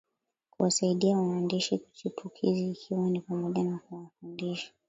Kuwasaidia waandishi chipukizi ikiwa ni pamoja na kuwafundisha